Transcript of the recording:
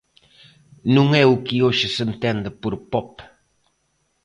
Non é o que hoxe se entende por pop.